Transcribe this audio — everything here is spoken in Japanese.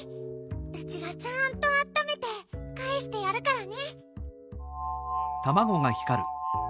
ウチがちゃんとあっためてかえしてやるからね。